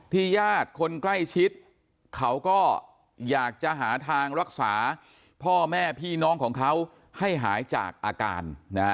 ญาติคนใกล้ชิดเขาก็อยากจะหาทางรักษาพ่อแม่พี่น้องของเขาให้หายจากอาการ